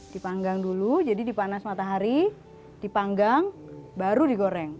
dipanggang dulu jadi dipanas matahari dipanggang baru digoreng